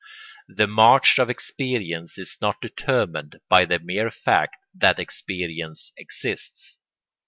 The march of experience is not determined by the mere fact that experience exists.